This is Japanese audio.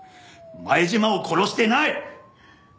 前島を殺してない！